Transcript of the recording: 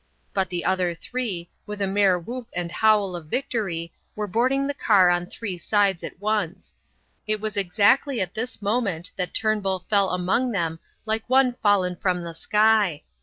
But the other three, with a mere whoop and howl of victory, were boarding the car on three sides at once. It was exactly at this moment that Turnbull fell among them like one fallen from the sky.